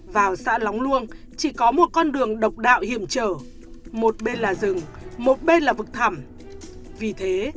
vào xã lóng luông chỉ có một con đường độc đạo hiểm trở một bên là rừng một bên là vực thảm vì thế